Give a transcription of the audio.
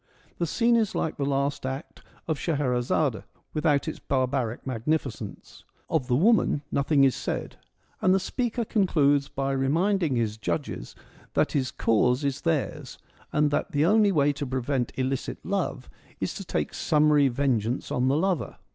The scene is like the last act of Scheherazade without its barbaric magnificence. Of the woman nothing is said, and the speaker concludes by reminding his 198 FEMINISM IN GREEK LITERATURE judges that his cause is theirs, and that the only way to prevent illicit love is to take summary vengeance on the lover.